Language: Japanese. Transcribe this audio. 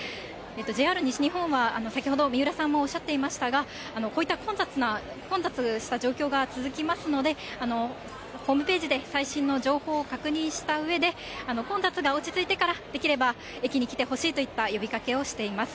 ＪＲ西日本は、先ほど三浦さんもおっしゃっていましたが、こういった混雑した状況が続きますので、ホームページで最新の情報を確認したうえで、混雑が落ち着いてから、できれば駅に来てほしいといった呼びかけをしています。